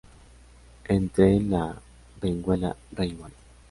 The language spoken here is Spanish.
En tren la Benguela Railway.